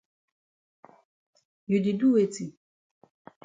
You di do weti?